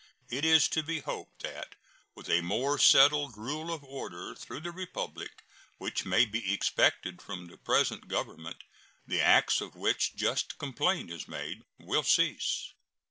It is to be hoped that with a more settled rule of order through the Republic, which may be expected from the present Government, the acts of which just complaint is made will cease.